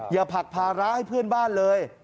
อย่าผลักภาระให้เพื่อนบ้านเลย